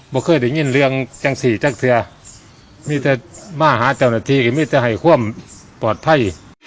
ไม่เคยได้ยินเรื่องจังสีจังเสียมีแต่มาหาเจ้าหน้าที่มีแต่ให้ความปลอดภัย